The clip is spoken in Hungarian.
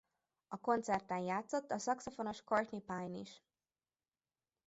A koncerten játszott a szaxofonos Courtney Pine is.